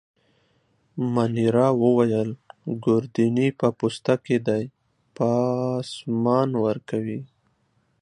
مانیرا وویل: ګوردیني په پوسته کي دی، پاسمان ورکوي.